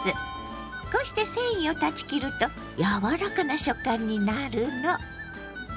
こうして繊維を断ち切ると柔らかな食感になるの。